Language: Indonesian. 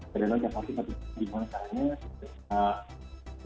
karena kita pasti pasti dimasaknya kita pulang kita cek kategori aktif